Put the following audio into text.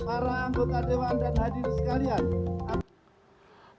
dan akan menimbulkan masalah hukum yang serius